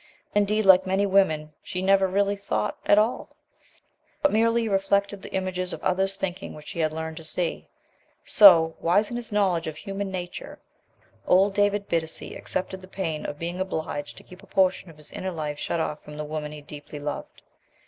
Indeed, like many women, she never really thought at all, but merely reflected the images of others' thinking which she had learned to see. So, wise in his knowledge of human nature, old David Bittacy accepted the pain of being obliged to keep a portion of his inner life shut off from the woman he deeply loved.